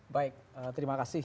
baik terima kasih